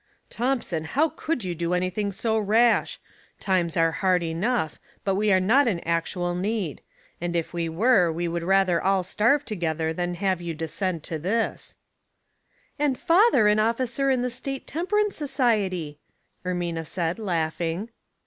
" Thomson, how could you do anything so rash ? Times are hard enough ; but we are not in actual need. And if we were, we would rather all starve together than to have you descend to this.'* 116 Household Puzzles, "And father an officer in the State Tempei>» ance Society !" Ermina said laughing.